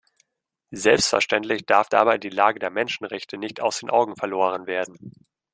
Selbstverständlich darf dabei die Lage der Menschenrechte nicht aus den Augen verloren werden.